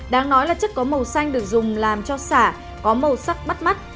đáng nói là chất có màu xanh được dùng làm cho xả có màu sắc bắt mắt